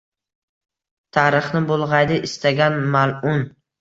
Tarixni bulgʻaydi istagan malʼun